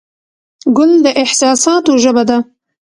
ګل د احساساتو ژبه ده.